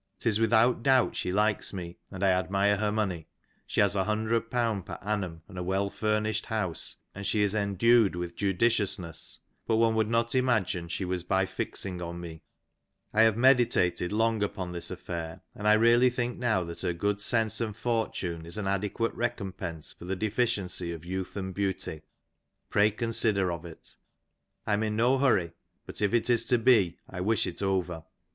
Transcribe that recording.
His without douht ^^she likes me, and I admire her money; she has jflOO per annum ^' and a well furnished house, and she is endued with judiciousness, "but one would not imagine she was by fixing on me I have ^'meditated long upon this affair, and I really think now that her "good sense and fortune is an adequate recompense for the deficiency " of youth and beauty ; pray consider of it. I am in no hurry, but if " it is to be I wish it over."